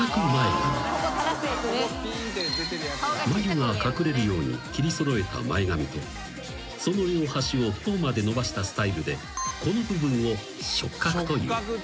［眉が隠れるように切り揃えた前髪とその両端を頬まで伸ばしたスタイルでこの部分を触覚という］